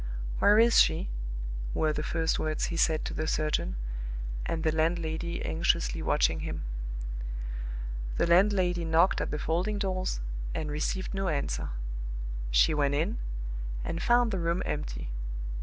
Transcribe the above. "Where is she?" were the first words he said to the surgeon, and the landlady anxiously watching him. The landlady knocked at the folding doors, and received no answer. She went in, and found the room empty.